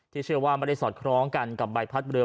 เชื่อว่าไม่ได้สอดคล้องกันกับใบพัดเรือ